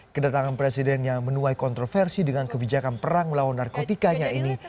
kedatangan presiden yang menuai kontroversi dengan kebijakan perang melawan narkotikanya ini